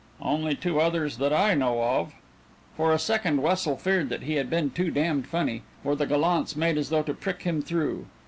"Only two others that I know of." For a second Wessel feared that he had been too damned funny, for the gallants made as though to prick him through.